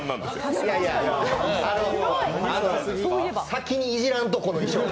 いやいや、先にいじらんと、この衣装。